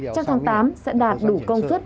trong tháng tám sẽ đạt đủ công suất